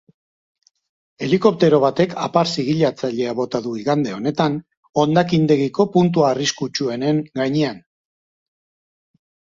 Helikoptero batek apar zigilatzailea bota du igande honetan hondakindegiko puntu arriskutsuenen gainean.